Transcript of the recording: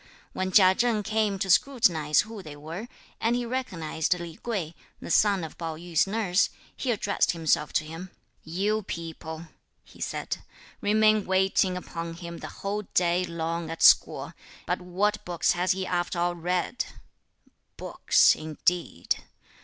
When Chia Cheng came to scrutinise who they were, and he recognised Li Kuei, the son of Pao yü's nurse, he addressed himself to him. "You people," he said, "remain waiting upon him the whole day long at school, but what books has he after all read? Books indeed!